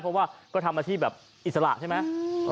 เพราะว่าก็ทำอาชีพแบบอิสระใช่ไหม